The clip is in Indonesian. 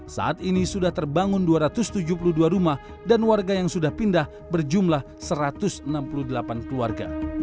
saat ini sudah terbangun dua ratus tujuh puluh dua rumah dan warga yang sudah pindah berjumlah satu ratus enam puluh delapan keluarga